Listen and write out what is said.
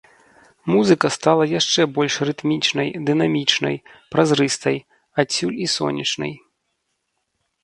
Музыка стала яшчэ больш рытмічнай, дынамічнай, празрыстай, адсюль і сонечнай.